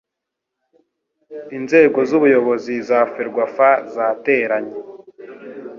Inzego z Ubuyobozi za ferwafa zateranye